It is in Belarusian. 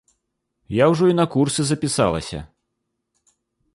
Я ўжо і на курсы запісалася.